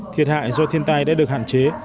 thiệt hại do thiên tai đã được hạn chế